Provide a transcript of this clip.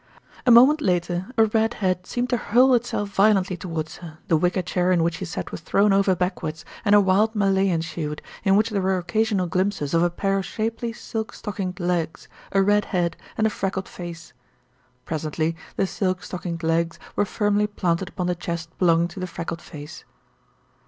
A moment later, a red head seemed to hurl itself violently towards her, the wicker chair in which she sat was thrown over backwards, and a wild melee en ERIC STANNARD PROMISES SUPPORT 125 sued, in which there were occasional glimpses of a pair of shapely silk stockinged legs, a red head, and a freckled face. Presently the silk stockinged legs were firmly planted upon the chest belonging to the freckled face.